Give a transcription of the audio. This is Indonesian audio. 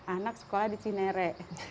anak sekolah di cinere